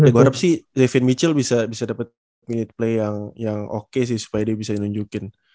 gue harap sih davion mitchell bisa dapet minute play yang oke sih supaya dia bisa dilunjukin